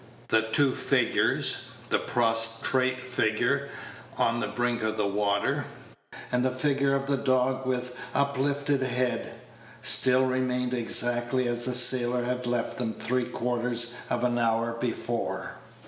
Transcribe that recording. The two figures the prostrate figure on the brink of the water, and the figure of the dog with uplifted head still remained exactly as the sailor had left them three quarters of an hour before.